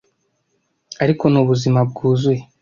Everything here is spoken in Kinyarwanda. Ariko ni ubuzima bwuzuye.